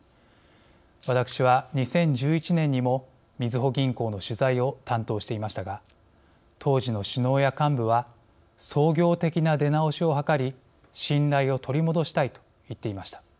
私は、２０１１年にもみずほ銀行の取材を担当していましたが当時の首脳や幹部は創業的な出直しを図り信頼を取り戻したいと言っていました。